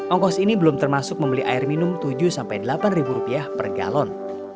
ongkos ini belum termasuk membeli air minum tujuh delapan ribu rupiah per galon